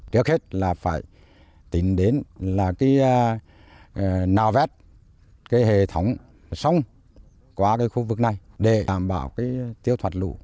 trước hết là phải tìm đến là nào vét hệ thống sông qua khu vực này để đảm bảo tiêu thoạt lũ